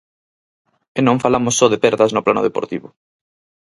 E non falamos só de perdas no plano deportivo.